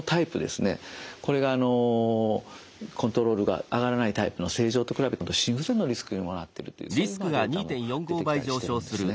これがあのコントロールが上がらないタイプの正常と比べて心不全のリスクにもなってるというそういうデータも出てきたりしてるんですね。